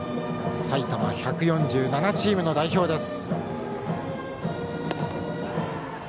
埼玉１４７チームの代表です。